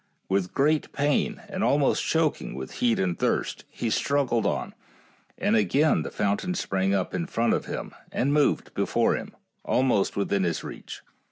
With great pain, and al most choking with heat and thirst, he struggled on, and again the fountain sprang up in front of him and moved before him, almost within his reach.